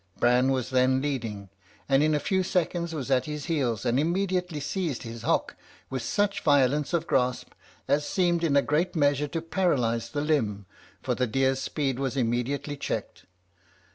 Bran was then leading, and in a few seconds was at his heels, and immediately seized his hock with such violence of grasp, as seemed in a great measure to paralyse the limb, for the deer's speed was immediately checked.